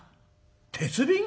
「鉄瓶？